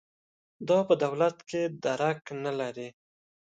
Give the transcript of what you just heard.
دا په دولت کې درک نه لري.